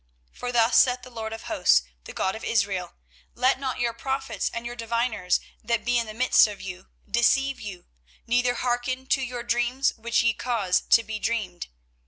24:029:008 For thus saith the LORD of hosts, the God of Israel; Let not your prophets and your diviners, that be in the midst of you, deceive you, neither hearken to your dreams which ye cause to be dreamed.